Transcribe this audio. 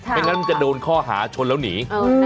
ไม่งั้นจะโดนข้อหาชนแล้วหนี